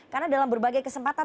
karena dalam berbagai kesempatan